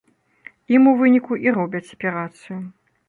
Ім у выніку і робяць аперацыю.